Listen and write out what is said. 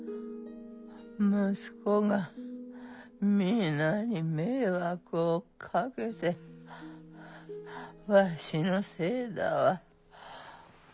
息子が皆に迷惑をかけてハアハアわしのせいだわ。